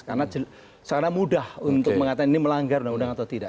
karena mudah untuk mengatakan ini melanggar undang undang atau tidak